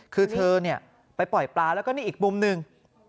คือเธอไปปล่อยปลาแล้วก็นี่อีกมุมหนึ่ง